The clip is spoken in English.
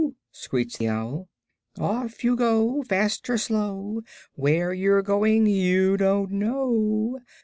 screeched the owl; "Off you go! fast or slow, Where you're going you don't know.